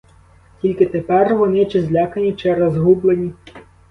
Тільки тепер вони чи злякані, чи розгублені.